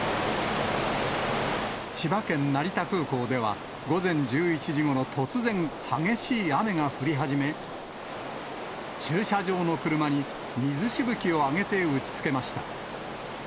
千葉県成田空港では、午前１１時ごろ、突然、激しい雨が降り始め、駐車場の車に水しぶきを上げて打ちつけました。